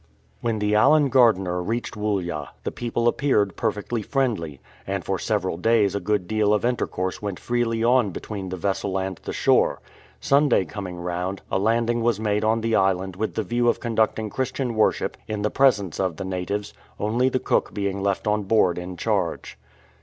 When the Allen Gardiner reached Woollya, the people appeared perfectly friendly, and for several days a good deal of intercourse went freely on between the vessel and the shore. Sunday coming round, a landing was made on the island with the view of conducting Christian worship in the presence of the natives, only the cook being left on board in charge.